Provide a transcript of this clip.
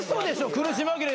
苦し紛れ